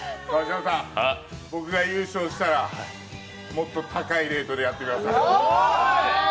僕が優勝したら、もっと高いレートやってください。